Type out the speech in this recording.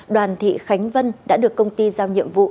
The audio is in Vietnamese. đoàn thị khánh vân đã được công ty giao nhiệm vụ